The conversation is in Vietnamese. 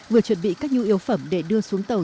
vừa chuẩn bị các nhu yếu phẩm để đưa xuống tàu